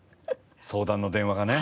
相談の電話がね。